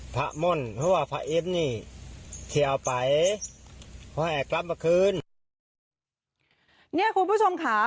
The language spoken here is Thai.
พะม่นเพราะว่าพะอิ๊บนี่เขียวไปเพราะให้กล้ามปะคืนเนี่ยคุณผู้ชมค่ะ